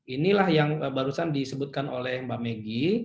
inilah yang barusan disebutkan oleh mbak meggy